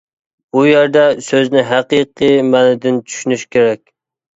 بۇ يەردە سۆزنى ھەقىقىي مەنىدىن چۈشىنىش كېرەك.